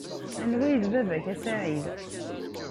Anwa ay d baba-k a Saɛid.